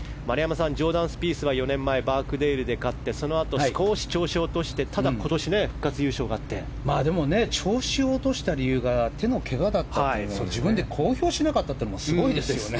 ジョーダン・スピースが４年前、バークデールで勝ってそのあと、少し調子を落として調子を落とした理由が手のけがだったと自分で公表しなかったのもすごいですよね。